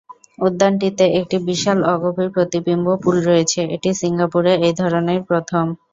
উদ্যানটিতে একটি বিশাল অগভীর প্রতিবিম্ব পুল রয়েছে, এটি সিঙ্গাপুরে এইধরনের প্রথম।